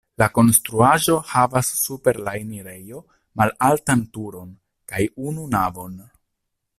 La konstruaĵo havas super la enirejo malaltan turon kaj unu navon.